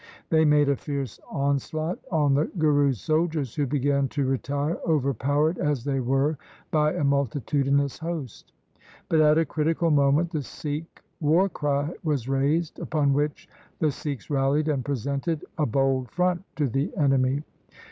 They made a fierce onslaught on the Guru's soldiers, who began to retire, overpowered as they were by a multitudinous host. But at a critical moment the Sikh war cry was raised, upon which the Sikhs rallied and presented a bold front to the enemy.